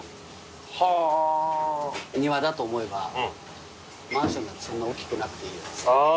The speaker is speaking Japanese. だと思えばマンションなんてそんな大きくなくていいよって。